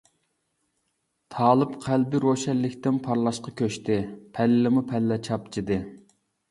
تالىپ قەلبى روشەنلىكتىن پارلاشقا كۆچتى، پەللىمۇپەللە چاپچىدى.